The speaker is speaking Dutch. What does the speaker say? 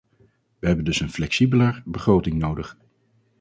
We hebben dus een flexibeler begroting nodig.